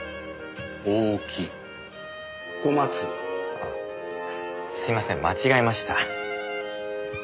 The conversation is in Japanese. あすいません間違えました。